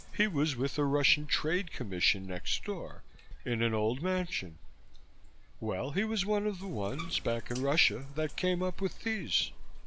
He was with a Russian trade commission next door, in an old mansion. Well, he was one of the ones, back in Russia, that came up with these."